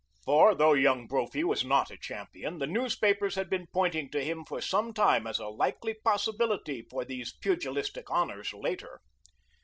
For, though Young Brophy was not a champion, the newspapers had been pointing to him for some time as a likely possibility for these pugilistic honors later.